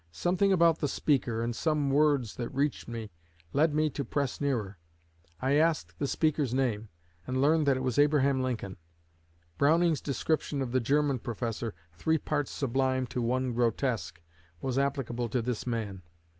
Something about the speaker, and some words that reached me, led me to press nearer. I asked the speaker's name, and learned that it was Abraham Lincoln. Browning's description of the German professor, 'Three parts sublime to one grotesque,' was applicable to this man.